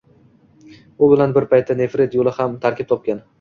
U bilan bir paytda „nefrit yoʻli“ ham tarkib topgan.